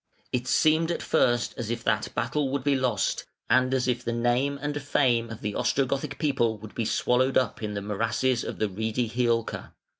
] It seemed at first as if that battle would be lost, and as if the name and fame of the Ostrogothic people would be swallowed up in the morasses of the reedy Hiulca.